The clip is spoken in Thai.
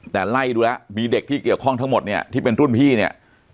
แต่ไล่ดูแล้วมีเด็กที่เกี่ยวข้องทั้งหมดเนี่ยที่เป็นรุ่นพี่เนี่ย